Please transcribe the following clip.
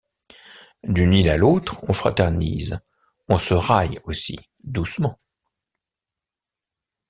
D’une île à l’autre, on fraternise ; on se raille aussi, doucement.